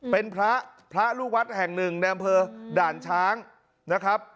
เป็นพระพระลูกวัดแห่งหนึ่งในอำเภอด่านช้างนะครับ